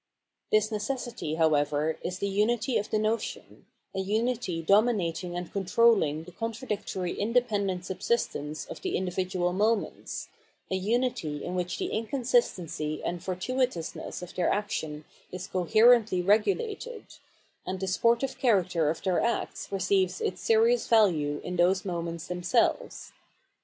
This necessity, however, is the unity of the notion, a unity dominating and controlling the contradic tory independent subsistence of the individual moments, a unity in which the inconsistency and fortuitousness of their action is coherently regulated, and the spor tive character of their acts receives its serious value in those moments themselves.